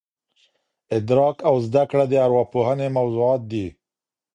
ادراک او زده کړه د ارواپوهني موضوعات دي.